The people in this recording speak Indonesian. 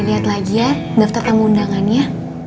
nanti udah dilihat lagi ya daftar temu undangannya